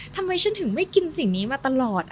ทำไมฉันถึงไม่กินสิ่งนี้มาตลอด